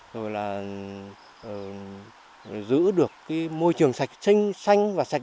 rồi là giữ được môi trường xanh và sạch